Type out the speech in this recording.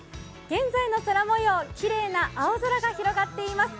現在の空もよう、きれいな青空が広がっています。